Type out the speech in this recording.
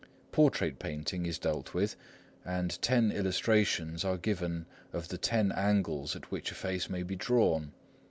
Portrait painting is dealt with, and ten illustrations are given of the ten angles at which a face may be drawn.